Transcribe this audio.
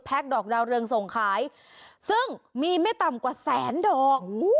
ดอกดาวเรืองส่งขายซึ่งมีไม่ต่ำกว่าแสนดอก